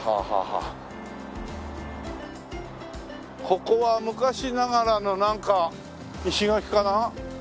ここは昔ながらのなんか石垣かな？